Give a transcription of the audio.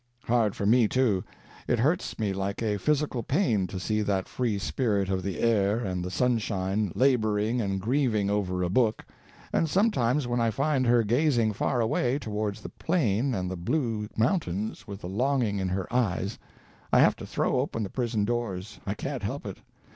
Hard for me, too; it hurts me like a physical pain to see that free spirit of the air and the sunshine laboring and grieving over a book; and sometimes when I find her gazing far away towards the plain and the blue mountains with the longing in her eyes, I have to throw open the prison doors; I can't help it.